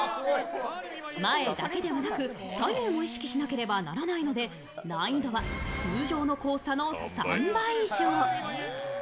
前だけではなく、左右も意識しなければならないので難易度は通常の交差の３倍以上。